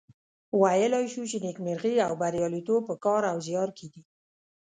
ویلای شو چې نیکمرغي او بریالیتوب په کار او زیار کې دي.